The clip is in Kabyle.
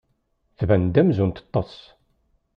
Tban-d amzun teṭṭes.